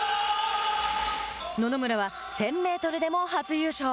野々村は１０００メートルでも初優勝。